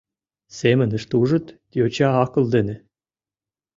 Семынышт ужыт йоча акыл дене.